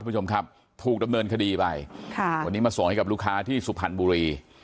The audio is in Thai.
ผู้ชมครับถูกดำเนินคดีไปค่ะวันนี้มาส่งให้กับลูกค้าที่สุพรรณบุรี